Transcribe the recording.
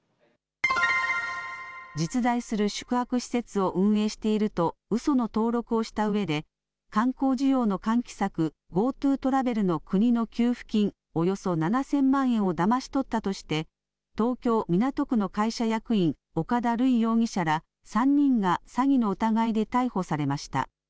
実在する宿泊施設を運営しているとうその登録をしたうえで、観光需要の喚起策、ＧｏＴｏトラベルの国の給付金およそ７０００万円をだまし取ったとして東京・港区の会社役員、岡田塁容疑者ら、３人が詐欺の疑いで逮捕されました。